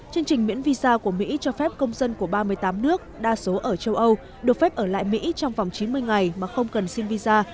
chương trình miễn visa của mỹ cho phép công dân của ba mươi tám nước đa số ở châu âu được phép ở lại mỹ trong vòng chín mươi ngày mà không cần xin visa